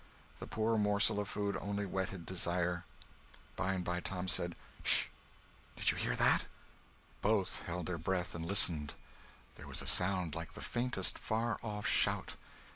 The poor morsel of food only whetted desire. By and by Tom said: "SH! Did you hear that?" Both held their breath and listened. There was a sound like the faintest, far off shout.